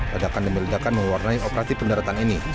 ledakan dan meledakan mewarnai operasi pendaratan ini